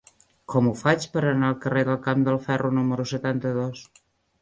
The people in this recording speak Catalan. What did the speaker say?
Com ho faig per anar al carrer del Camp del Ferro número setanta-dos?